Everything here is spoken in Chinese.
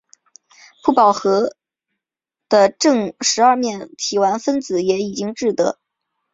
不饱和的正十二面体烷分子也已经制得。